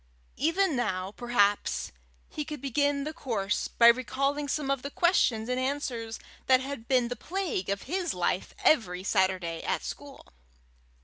Even now perhaps he could begin the course by recalling some of the questions and answers that had been the plague of his life every Saturday at school.